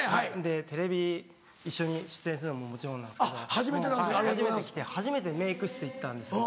テレビ一緒に出演するのももちろんなんですけど初めて来て初めてメイク室行ったんですけど。